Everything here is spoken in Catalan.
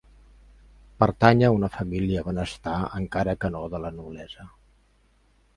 Pertanya a una família benestant encara que no de la noblesa.